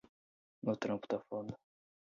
O meu trampo tá foda